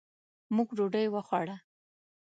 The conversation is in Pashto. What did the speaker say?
موږ ډوډۍ وخوړه.